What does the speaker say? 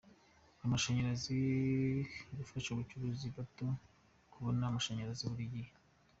Amashanyarazi: Gufasha abacuruzi bato kubona amashanyarazi buli gihe.